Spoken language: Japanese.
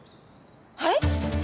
はい！？